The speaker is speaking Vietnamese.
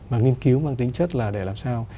mà nghiên cứu mang tính chất là để làm sao